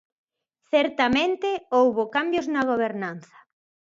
Certamente, houbo cambios na gobernanza.